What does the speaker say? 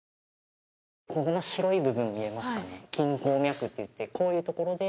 ここの白い部分見えますかね？